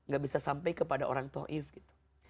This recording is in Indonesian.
gak bisa sampai kepada orang taif ⁇ gitu